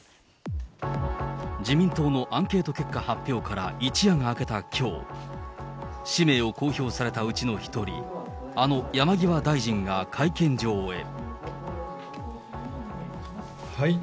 自民党のアンケート結果発表から一夜が明けたきょう、氏名を公表されたうちの一人、あの山際大臣が会見場へ。